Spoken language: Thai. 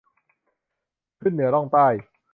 ขึ้นเหนือ ล่องใต้